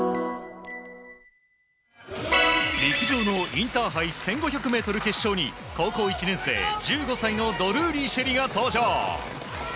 陸上のインターハイ１５００ｍ決勝に高校１年生１５歳のドルーリー朱瑛里が登場。